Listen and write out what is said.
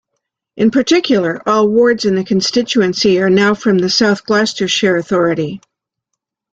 In particular, all wards in the constituency are now from the South Gloucestershire authority.